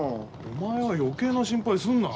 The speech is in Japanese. お前は余計な心配するな。